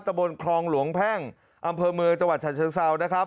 บนคลองหลวงแพ่งอำเภอเมืองจังหวัดฉะเชิงเซานะครับ